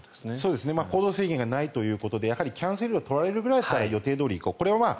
行動制限がないということでキャンセル料を取られるぐらいだったら予定通り行こう。